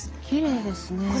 きれいですね。